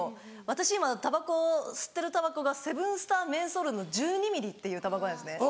私今たばこ吸ってるたばこがセブンスター・メンソールの１２ミリっていうたばこなんですね。